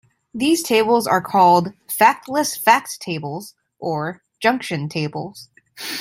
These tables are called "factless fact tables", or "junction tables".